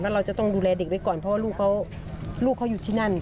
เราจะต้องดูแลเด็กไว้ก่อนเพราะว่าลูกเขาอยู่ที่นั่น